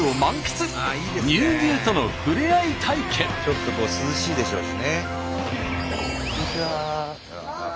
ちょっとこう涼しいでしょうしね。